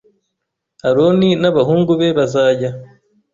Aroni n abahungu be bazajya